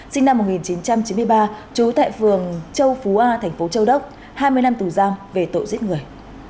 sinh năm một nghìn chín trăm chín mươi ba trú tại phường châu phú a thành phố châu đốc hai mươi năm tù giam về tội giết người